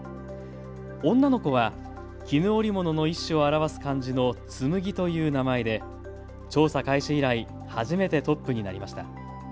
女の子は絹織物の一種を表す漢字の紬という名前で調査開始以来初めてトップになりました。